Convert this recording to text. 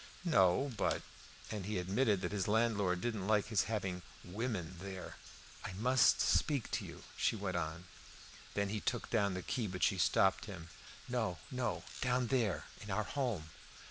"No; but " And he admitted that his landlord didn't like his having "women" there. "I must speak to you," she went on. Then he took down the key, but she stopped him. "No, no! Down there, in our home!"